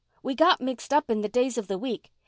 We got mixed up in the days of the week.